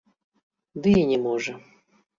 Ды і не можа.